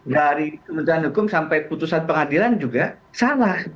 dari kementerian hukum sampai putusan pengadilan juga salah